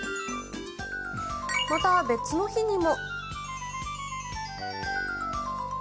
また、別の日にも。